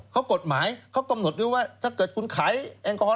เขากฎหมายเขากำหนดไว้ว่าถ้าเกิดคุณขายแอลกอฮอล